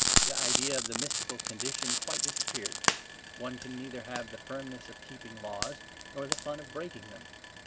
The idea of the mystical condition quite disappeared; one can neither have the firmness of keeping laws nor the fun of breaking them.